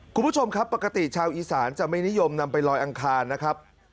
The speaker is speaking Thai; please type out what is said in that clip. คุณผู้ชมครับปกติชาวอีสานจะไม่นิยมนำไปลอยอังคารนะครับ